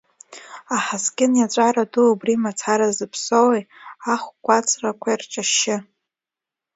Аҳаскьын иаҵәара ду убри мацара зыԥсоуи, ахә кәацрақәа ирҿашьшьы?!